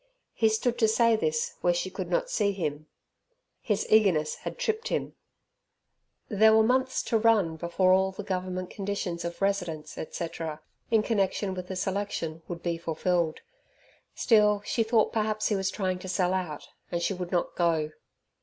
He stood to say this where she could not see him. His eagerness had tripped him. There were months to run before all the Government conditions of residence, etc., in connection with the selection, would be fulfilled, still she thought perhaps he was trying to sell out, and she would not go.